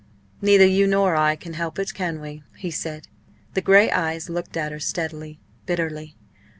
neither you nor I can help it, can we?" he said. The grey eyes looked at her steadily bitterly.